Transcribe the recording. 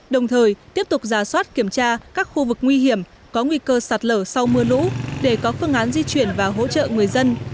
đồng thời tiếp tục giả soát kiểm tra các khu vực nguy hiểm có nguy cơ sạt lở sau mưa lũ để có phương án di chuyển và hỗ trợ người dân